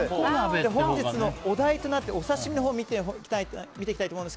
本日のお題となっているお刺し身のほうを見ていきたいと思います。